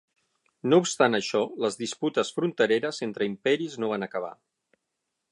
No obstant això, les disputes frontereres entre imperis no van acabar.